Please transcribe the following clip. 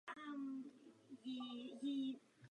Motor se poprvé přestěhoval dopředu a poháněl přední kola.